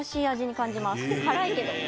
辛いけど。